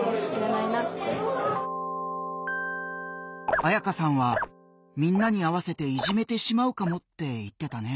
あやかさんはみんなに合わせていじめてしまうかもって言ってたね。